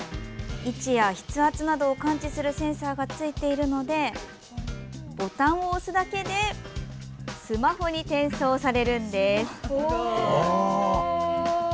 位置や筆圧などを感知するセンサーが付いているのでボタンを押すだけでスマホに転送されるんです。